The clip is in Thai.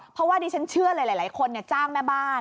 เพราะว่านี่ฉันเชื่อหลายคนเนี่ยจ้างแม่บ้าน